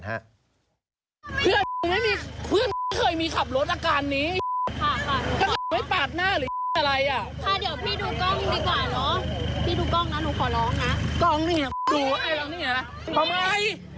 หลังเรานั่งข้างหน้า